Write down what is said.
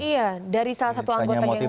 iya dari salah satu anggota geng motor